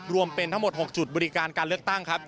รวมเป็นทั้งหมด๖จุดบริการการเลือกตั้งครับ